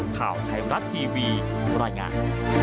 ข่าวไทยมรัฐทีวีบรรยายงาน